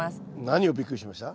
何をびっくりしました？